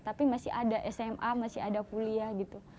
tapi masih ada sma masih ada kuliah gitu